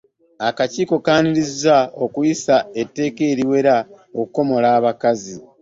Akakiiko kaaniriza eky’okuyisa Etteeka Eriwera Okukomola Abakazi.